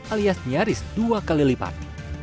alias nyaris dua kali lipat